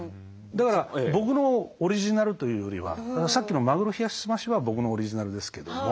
だから僕のオリジナルというよりはさっきの「マグロ冷やしすまし」は僕のオリジナルですけども。